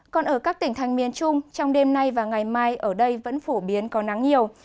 còn ở các tỉnh thành miền trung trong đêm nay và ngày mai ở đây vẫn phổ biến có nắng nhiều